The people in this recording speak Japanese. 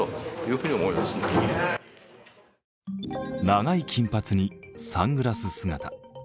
長い金髪にサングラス姿。